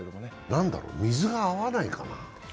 何だろう、水が合わないかな？